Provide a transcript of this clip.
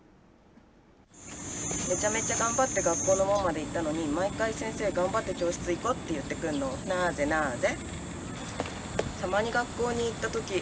めちゃめちゃ頑張って学校の門まで行ったのに、毎回、先生、頑張って教室行こうって言ってくんの、なあぜなあぜ？